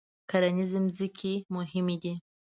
کرنیزې ځمکې مهمې دي.